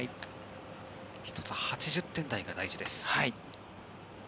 １つ８０点台が大事です。